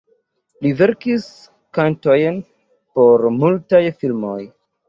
Li verkis kantojn por multaj filmoj.